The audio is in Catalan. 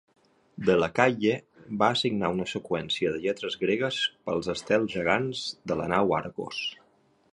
de Lacaille va assignar una seqüència de lletres gregues pels estels gegants de la Nau Argos.